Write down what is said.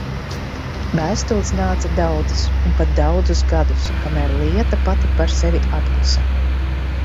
Vēstules nāca daudzas un pat daudzus gadus, kamēr lieta pati par sevi apklusa.